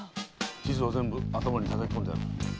地図は全部頭に叩き込んである。